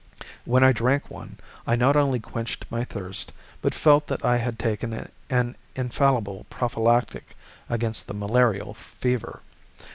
When I drank one, I not only quenched my thirst, but felt that I had taken an infallible prophylactic against the malarial fever.